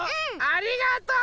ありがとう！